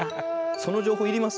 その情報要ります？